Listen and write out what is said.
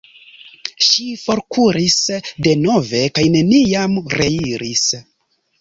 Ŝi forkuris denove kaj neniam reiris.